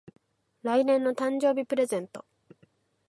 来年の誕生日プレゼント